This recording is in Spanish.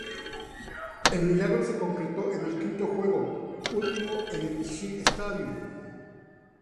El milagro se concretó en el quinto juego, último en el Shea Stadium.